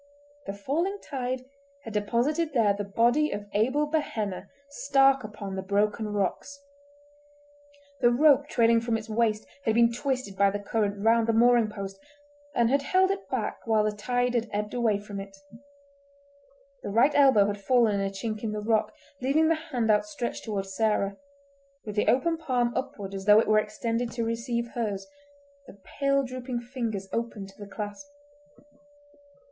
The falling tide had deposited there the body of Abel Behenna stark upon the broken rocks. The rope trailing from its waist had been twisted by the current round the mooring post, and had held it back whilst the tide had ebbed away from it. The right elbow had fallen in a chink in the rock, leaving the hand outstretched toward Sarah, with the open palm upward as though it were extended to receive hers, the pale drooping fingers open to the clasp.